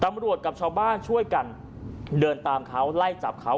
กับชาวบ้านช่วยกันเดินตามเขาไล่จับเขา